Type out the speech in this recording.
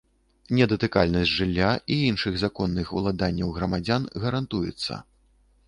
Недатыкальнасць жылля і іншых законных уладанняў грамадзян гарантуецца.